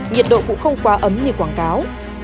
nhiệt độ cũng không quá ấm như quảng cáo